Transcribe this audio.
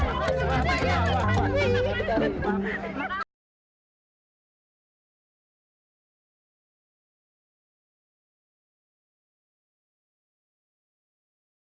pada hari ini prabowo menemukan kekuasaan untuk menemukan pembunuh yang terkenal di jawa timur